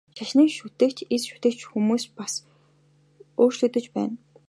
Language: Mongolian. Шашныг шүтэгч, эс шүтэгч хүмүүс ч бас өөрчлөгдөж байна.